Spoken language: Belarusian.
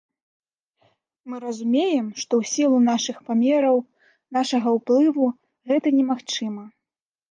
Мы разумеем, што ў сілу нашых памераў, нашага ўплыву, гэта немагчыма.